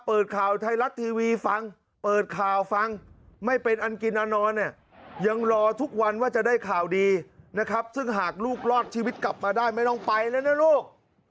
เปิดข่าวไทยรัฐทีวีฟังเปิดข่าวฟังไม่เป็นอันกินอันนอนเนี่ยยังรอทุกวันว่าจะได้ข่าวดีนะครับซึ่งหากลูกรอดชีวิตกลับมาได้ไม่ต้องไปแล้วนะลูก